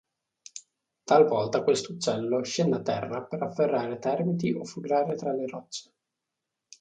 Talvolta questo uccello scende a terra per afferrare termiti o frugare tra le rocce.